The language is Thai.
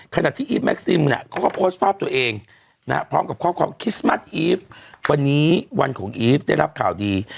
ขนาดที่อีฟแมคซิมก็โพสต์ภาพตัวเองพร้อมกับความคิดสมัสอีฟวันนี้วันของอีฟได้รับข่าวดี